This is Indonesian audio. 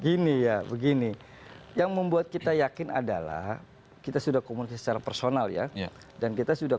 gini ya begini yang membuat kita yakin adalah kita sudah komunikasi secara personal ya dan kita sudah